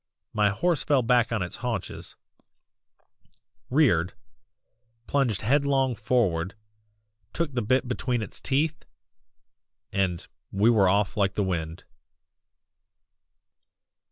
My horse fell back on its haunches; reared plunged headlong forward took the bit between its teeth and we were off like the wind.